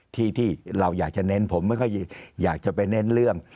ที่เราอยากจะเน้นผมไม่ค่อยอยากจะไปเน้นเรื่อง